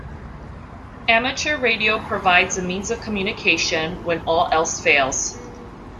Amateur radio provides a means of communication "when all else fails".